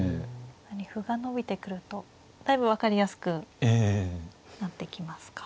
歩が伸びてくるとだいぶ分かりやすくなってきますか。